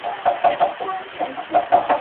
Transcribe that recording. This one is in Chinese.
当今社会